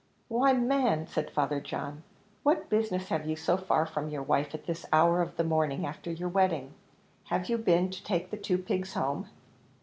"Why, man," said Father John, "what business have you so far from your wife at this hour of the morning, after your wedding? Have you been to take the two pigs home?"